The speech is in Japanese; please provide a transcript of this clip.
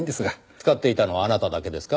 使っていたのはあなただけですか？